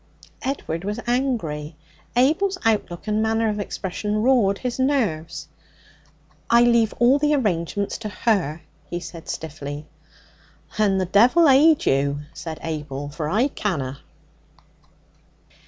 Edward was angry. Abel's outlook and manner of expression rawed his nerves. 'I leave all the arrangements to her,' he said stiffly. 'Then the devil aid you,' said Abel, 'for I canna!'